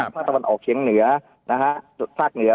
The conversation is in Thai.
ภาคตะวันออกเชียงเหนือนะฮะ